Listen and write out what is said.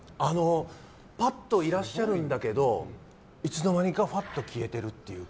パッといらっしゃるんだけどいつの間にか消えているというか。